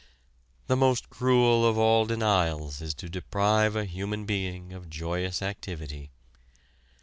The most cruel of all denials is to deprive a human being of joyous activity.